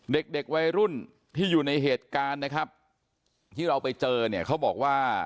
เด็กวัยรุ่นที่อยู่ในเหตุการณ์ที่เราไปเจอเขาบอกว่า